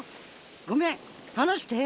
ごめんはなして。